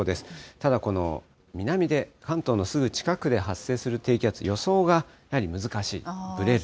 ただこの南で、関東のすぐ近くで発生する低気圧、予想がやはり難しい、ぶれる。